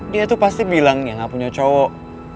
dia tuh pasti bilang ya gak punya cowok